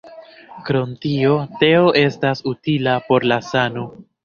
Krom tio, teo estas utila por la sano.